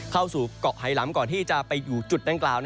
เข้าสู่เกาะไฮล้ำก่อนที่จะไปอยู่จุดดังกล่าว